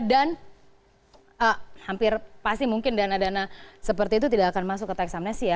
dan hampir pasti mungkin dana dana seperti itu tidak akan masuk ke tax amnesty ya